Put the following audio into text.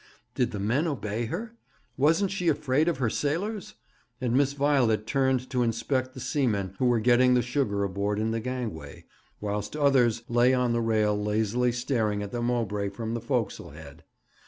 Did the men obey her? Wasn't she afraid of her sailors? And Miss Violet turned to inspect the seamen who were getting the sugar aboard in the gangway, whilst others lay on the rail lazily staring at the Mowbray from the forecastle head.